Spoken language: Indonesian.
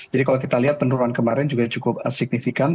jadi kalau kita lihat penurunan kemarin juga cukup signifikan